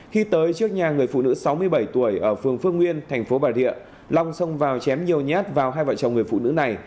khi tới trước nhà người phụ nữ sáu mươi bảy tuổi ở phường phước nguyên thành phố bà rịa long xông vào chém nhiều nhát vào hai vợ chồng người phụ nữ này